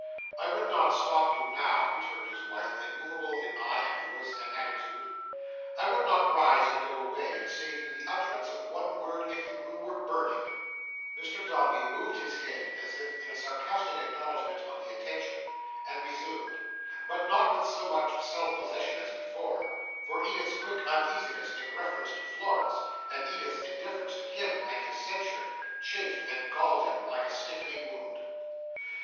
"I would not stop you now," returned his wife, immoveable in eye, and voice, and attitude; "I would not rise and go away, and save you the utterance of one word, if the room were burning." Mr Dombey moved his head, as if in a sarcastic acknowledgment of the attention, and resumed. But not with so much self possession as before; for Edith's quick uneasiness in reference to Florence, and Edith's indifference to him and his censure, chafed and galled him like a stiffening wound.